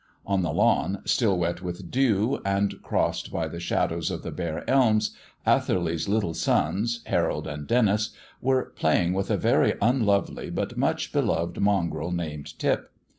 On the lawn, still wet with dew, and crossed by the shadows of the bare elms, Atherley's little sons, Harold and Denis, were playing with a very unlovely but much beloved mongrel called Tip.